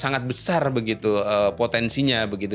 sangat besar begitu potensinya begitu